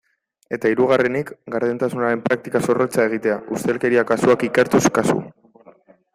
Eta hirugarrenik, gardentasunaren praktika zorrotza egitea, ustelkeria kasuak ikertuz kasu.